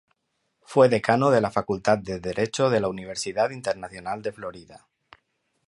Fue decano de la Facultad de Derecho de la Universidad Internacional de Florida.